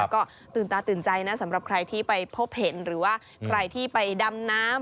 ก็ตื่นตาตื่นใจนะสำหรับใครที่ไปพบเห็นหรือว่าใครที่ไปดำน้ำ